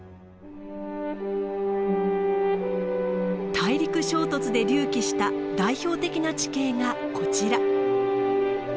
大陸衝突で隆起した代表的な地形がこちら。